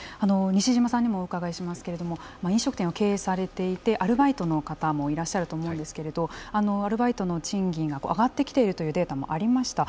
西嶋さんにもお伺いしますが飲食店を経営されていてアルバイトの方もいらっしゃると思うんですけどアルバイトの賃金が上がってきているというデータもありました。